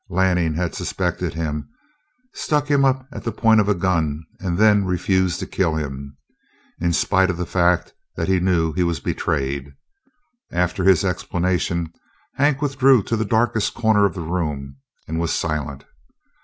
Lanning had suspected him, stuck him up at the point of a gun, and then refused to kill him, in spite of the fact that he knew he was betrayed. After his explanation Hank withdrew to the darkest corner of the room and was silent.